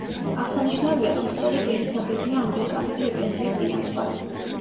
აღსანიშნავია, რომ სწორედ ელისაბედია ანგლიკანური ეკლესიის წინამძღვარი.